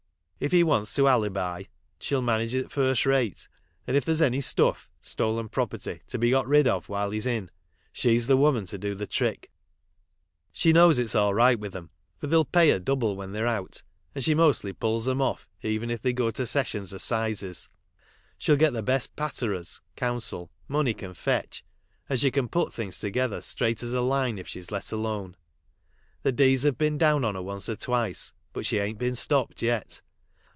If he wants to alibi she'll manage it first rate, and if there's any stuff (stolen property) to be got rid of while he's m, she s the woman to do the trick. She knows it's all right with 'em, for they'll pay her double when they re out, and she mostly pulls 'em off even if thev go to sessions or 'sizes. She'll get the best patterers (counsel) money can fetch, and she can put things together straight as a line if she's let alone. The d s have been down on her once or twice, but she am t been stopped yet.